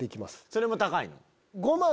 それも高いの？